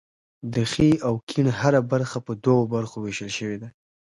د ښي او کیڼ هره برخه په دوو برخو ویشل شوې ده.